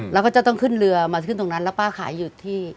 แล้วก็จะต้องขึ้นเรือมาขึ้นตรงนั้นแล้วป้าขายหยุดที่